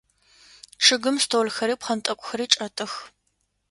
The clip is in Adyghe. Чъыгым столхэри пхъэнтӏэкӏухэри чӏэтых.